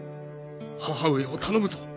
母上を頼むぞ！